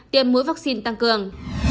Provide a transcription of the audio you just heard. tiêm mũi vaccine tăng cường